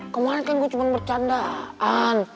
kemarin kan gue cuma bercandaan